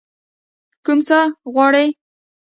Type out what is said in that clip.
کوم څه غواړئ؟